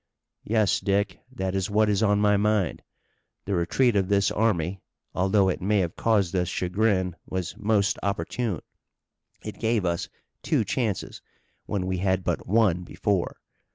"Yes, Dick. That is what is on my mind. The retreat of this army, although it may have caused us chagrin, was most opportune. It gave us two chances, when we had but one before.